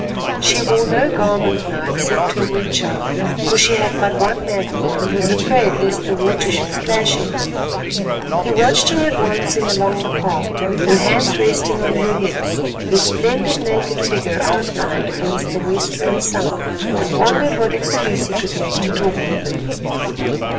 She wore no garment now except her moocha, for she had but one mantle and was afraid lest the water should splash it. He watched her advancing along the path, her hands resting on her hips, her splendid naked figure outlined against the westering sun, and wondered what excuse he could make to talk with her.